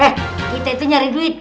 kita itu nyari duit